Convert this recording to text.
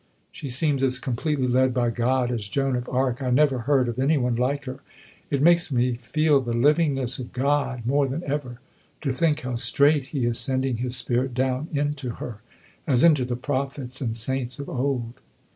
She seems as completely led by God as Joan of Arc. I never heard of any one like her. It makes me feel the livingness of God more than ever to think how straight He is sending His Spirit down into her as into the prophets and saints of old...."